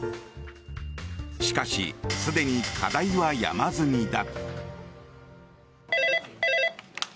しかし、すでに課題は山積みだ。